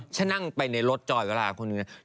ฉันนั่งไปในรถจอยวาราะคนนึงน่ะ